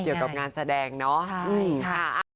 เกี่ยวกับงานแสดงเนาะ